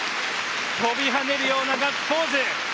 飛び跳ねるようなガッツポーズ。